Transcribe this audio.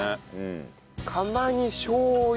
釜にしょう油。